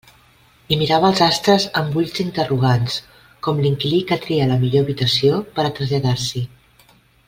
I mirava als astres amb ulls interrogants, com l'inquilí que tria la millor habitació per a traslladar-s'hi.